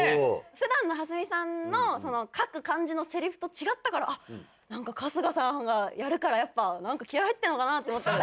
普段の蓮見さんの書く感じのセリフと違ったからあっなんか春日さんがやるからやっぱ気合入ってるのかなと思った。